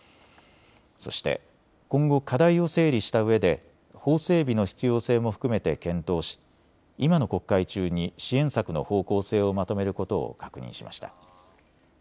そして今後、課題を整理したうえで法整備の必要性も含めて検討し今の国会中に支援策の方向性をまとめることを確認しました。